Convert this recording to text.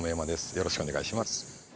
よろしくお願いします。